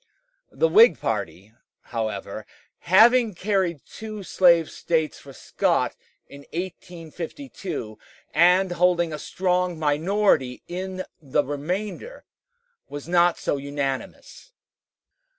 The Whig party, however, having carried two slave States for Scott in 1852, and holding a strong minority in the remainder, was not so unanimous.